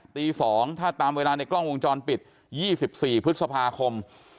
ตีสองถ้าตามเวลาในกล้องวงจรปิดยี่สิบสี่พฤษภาคม